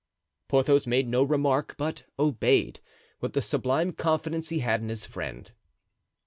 Porthos made no remark, but obeyed, with the sublime confidence he had in his friend.